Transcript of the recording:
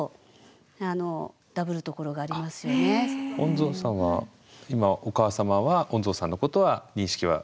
恩蔵さんは今お母様は恩蔵さんのことは認識は？